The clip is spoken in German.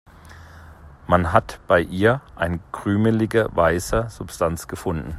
Man hat bei ihr eine krümelige, weiße Substanz gefunden.